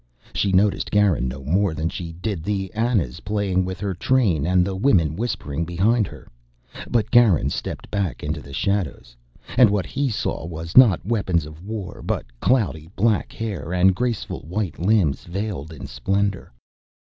She noticed Garin no more than she did the Anas playing with her train and the women whispering behind her. But Garin stepped back into the shadows and what he saw was not weapons of war, but cloudy black hair and graceful white limbs veiled in splendor.